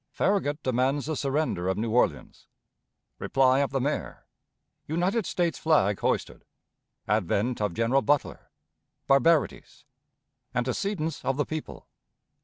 Farragut demands the Surrender of New Orleans. Reply of the Mayor. United States Flag hoisted. Advent of General Butler. Barbarities. Antecedents of the People.